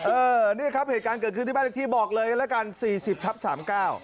เออเนี่ยครับเหตุการณ์เกิดขึ้นที่บ้านเลขที่บอกเลยแล้วกัน๔๐๓๙นะฮะ